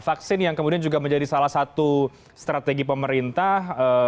vaksin yang kemudian juga menjadi salah satu strategi pemerintah